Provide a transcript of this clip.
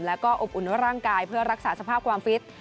แล้วก็อบอุ่นร่างกายเพื่อรักษาสภาพความฟิต